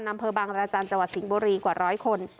อำเภอบางรจันทร์จังหวัดสิงห์บุรีกว่าร้อยคน